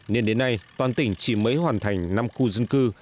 nên đến nay toàn tỉnh chỉ mới hoàn thành năm khu dân cư